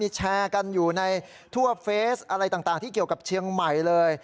แชร์กันอยู่ในทั่วเฟสอะไรต่างที่เกี่ยวกับเชียงใหม่เลย